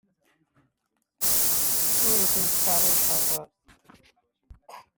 Ur ken-ttṭerriceɣ.